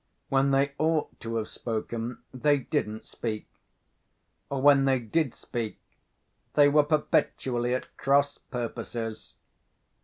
When they ought to have spoken, they didn't speak; or when they did speak they were perpetually at cross purposes.